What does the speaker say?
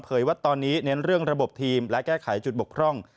ว่าตอนนี้เน้นเรื่องระบบทีมและแก้ไขจุดบกพร่อง